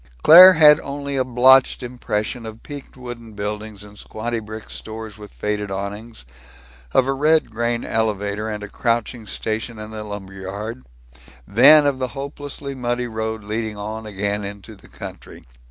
Claire had only a blotched impression of peaked wooden buildings and squatty brick stores with faded awnings; of a red grain elevator and a crouching station and a lumberyard; then of the hopelessly muddy road leading on again into the country.